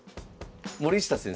森下先生？